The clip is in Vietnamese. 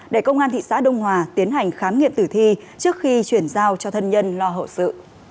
để công an thị xã đông hòa tiến hành khám nghiệm tử thi trước khi chuyển giao cho thân nhân lo hậu sự